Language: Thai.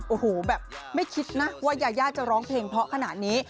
โอ้โหแบบไม่คิดนะว่ายายาจะร้องเพลงเพราะขนาดนี้